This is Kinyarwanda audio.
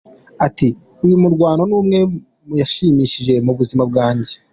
Ati “ Uyu murwano ni umwe mu yanshimishije mu buzima bwanjye.